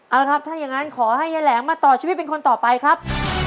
เอาละครับถ้าอย่างนั้นขอให้ยายแหลงมาต่อชีวิตเป็นคนต่อไปครับ